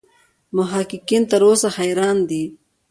محققین تر اوسه حیران دي.